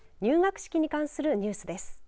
入学式に関するニュースです。